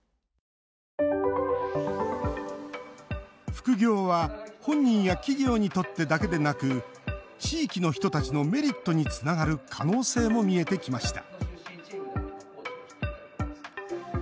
副業は本人や企業にとってだけでなく地域の人たちのメリットにつながる可能性も見えてきました